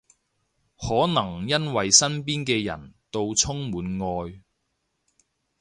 可能因為身邊嘅人到充滿愛